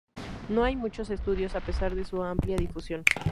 No hay muchos estudios a pesar de su amplia difusión.